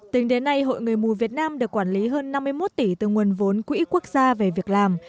tính đến nay hội người mù việt nam được quản lý hơn năm mươi một tỷ từ nguồn vốn quỹ quốc gia về việc làm